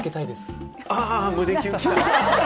胸キュン来た！